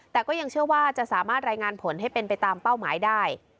แต่ก็ยังเชื่อว่าจะสามารถรายงานผลให้เป็นไปตามเป้าหมายได้